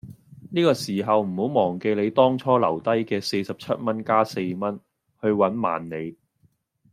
呢個時候唔好忘記你當初留低既四十七蚊加四蚊，去搵萬里